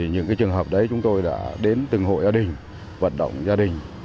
những trường hợp đấy chúng tôi đã đến từng hội gia đình vận động gia đình